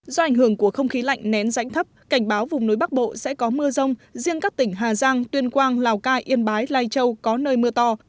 do ảnh hưởng của không khí lạnh nén rãnh thấp cảnh báo vùng núi bắc bộ sẽ có mưa rông riêng các tỉnh hà giang tuyên quang lào cai yên bái lai châu có nơi mưa to